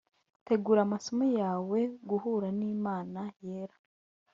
tegura amaso yawe guhura n'imana yera!